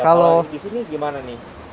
kalau di sini gimana nih